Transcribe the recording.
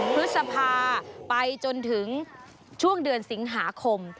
พฤษภาไปจนถึงช่วงเดือนสิงหาคม